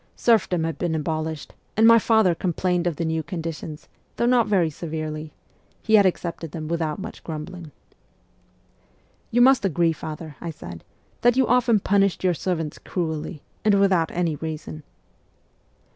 Serfdom had been abolished, and my father complained of the new conditions, though not very severely; he had accepted them without much grumbling. ' You must agree, father,' I said, ' that you often punished your servants cruelly, and without any reason.'